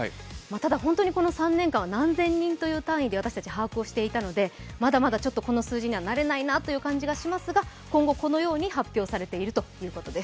ただ、本当にこの３年間は何千人という単位で把握をしていたので、まだまだこの数字には慣れないなという感じがしますが、今後このように発表されているということです。